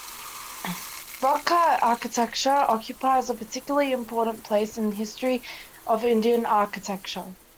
Rock-cut architecture occupies a particularly important place in the history of Indian Architecture.